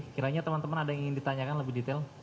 kiranya teman teman ada yang ingin ditanyakan lebih detail